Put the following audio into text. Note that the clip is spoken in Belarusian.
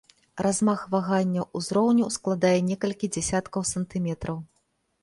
Размах ваганняў узроўню складае некалькі дзясяткаў сантыметраў.